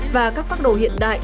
và các phác đồ hiện đại